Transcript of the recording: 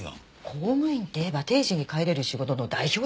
公務員っていえば定時に帰れる仕事の代表じゃない。